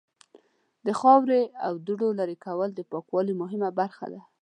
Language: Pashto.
د خاورې او دوړو لرې کول د پاکوالی مهمه برخه ده.